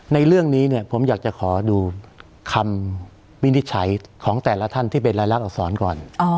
ในเรื่องนี้เนี่ยผมอยากจะขอดูคำวินิจฉัยของแต่ละท่านที่เป็นรายลักษรก่อน